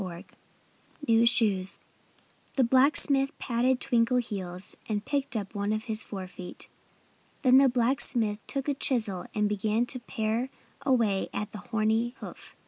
XVIII NEW SHOES The blacksmith patted Twinkleheels and picked up one of his forefeet. Then the blacksmith took a chisel and began to pare away at the horny hoof.